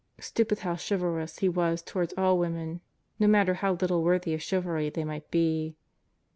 Stupid how chivalrous he was toward all women no matter how little worthy of chivalry they might be.